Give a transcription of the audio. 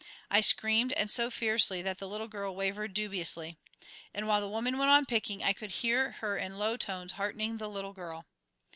I screamed, and so fiercely that the little girl wavered dubiously. And while the woman went on picking I could hear her in low tones heartening the little girl.